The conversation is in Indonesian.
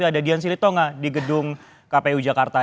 ada dian silitonga di gedung kpu jakarta